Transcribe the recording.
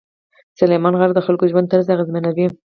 سلیمان غر د خلکو ژوند طرز اغېزمنوي.